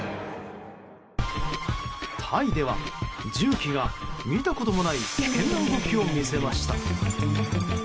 タイでは重機が見たこともない危険な動きを見せました。